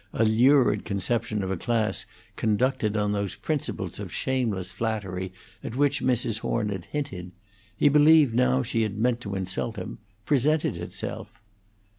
A lurid conception of a class conducted on those principles of shameless flattery at which Mrs. Horn had hinted he believed now she had meant to insult him presented itself.